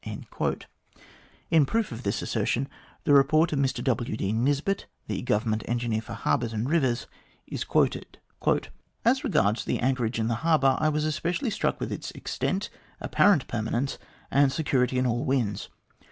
In proof of this assertion, the report of Mr W. D. Nisbet, the Government Engineer for Harbours and Rivers, is quoted. 198 THE GLADSTONE COLONY "As regards the anchorage in the harbour, I was especially struck with its extent, apparent permanence, and security in all winds.